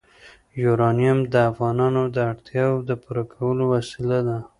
یورانیم د افغانانو د اړتیاوو د پوره کولو وسیله ده.